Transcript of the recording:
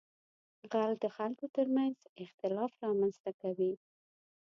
غل د خلکو تر منځ اختلاف رامنځته کوي